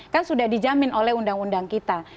kan sudah dijamin oleh undang undang kita